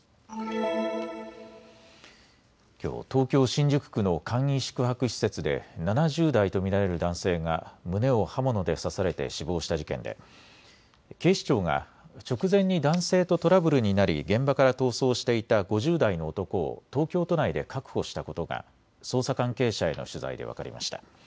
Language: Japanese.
きょう、東京新宿区の簡易宿泊施設で７０代と見られる男性が胸を刃物で刺されて死亡した事件で警視庁が直前に男性とトラブルになり現場から逃走していた５０代の男を東京都内で確保したことが捜査関係者への取材で分かりました。